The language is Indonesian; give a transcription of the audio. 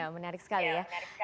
menarik sekali ya